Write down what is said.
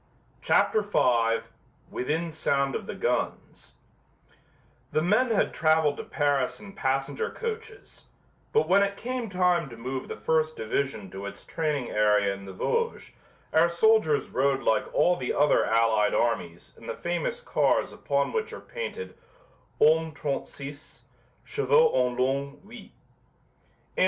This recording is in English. CHAPTER V WITHIN SOUND OF THE GUNS The men had traveled to Paris in passenger coaches, but when it came time to move the first division to its training area in the Vosges our soldiers rode like all the other allied armies in the famous cars upon which are painted "Hommes 36; chevaux en long, 8."